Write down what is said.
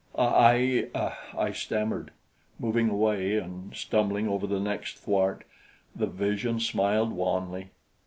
"I I " I stammered, moving away and stumbling over the next thwart. The vision smiled wanly.